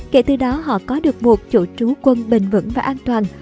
kể từ đó họ có được một chủ trú quân bình vững và an toàn